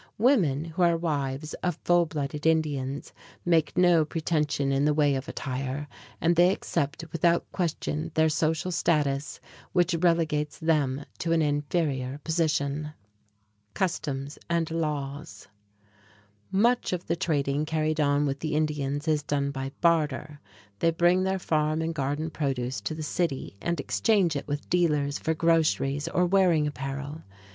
Women who are wives of full blooded Indians make no pretension in the way of attire, and they accept without question their social status, which relegates them to an inferior position. [Illustration: ON LAKE TITICACA] [Illustration: BALSA BOAT Native making the boat of reeds] Customs and Laws Much of the trading carried on with the Indians is done by barter; they bring their farm and garden produce to the city, and exchange it with dealers for groceries or wearing apparel.